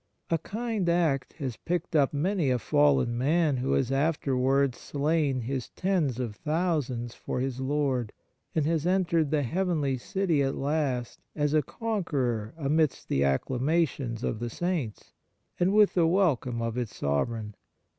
A kind act has On Kindness in Genera! 29 picked up many a fallen man who has afterwards slain his tens of thousands for his Lord, and has entered the Heavenly City at last as a conqueror amidst the acclamations of the Saints, and with the welcome of its Sovereign.